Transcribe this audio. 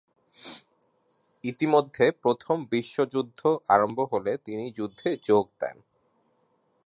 ইতিমধ্যে প্রথম বিশ্বযুদ্ধ আরম্ভ হলে তিনি যুদ্ধে যোগ দেন।